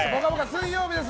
水曜日です。